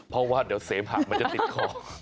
เพราะว่าเดี๋ยวเสมหะมันจะติดคอ